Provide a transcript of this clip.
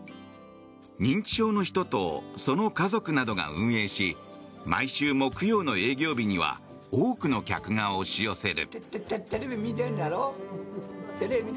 認知症の人とその家族などが運営し毎週木曜の営業日には多くの客が押し寄せる。